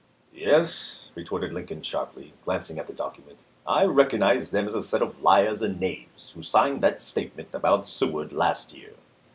" Yes," retorted Lincoln sharply, glancing at the document, " I recognize them as a set of liars and knaves who signed that statement about Seward last year."